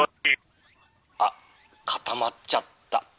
「あっ固まっちゃった」。